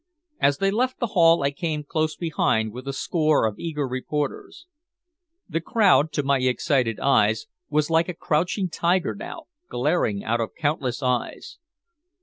As they left the hall I came close behind with a score of eager reporters. The crowd, to my excited eyes, was like a crouching tiger now, glaring out of countless eyes.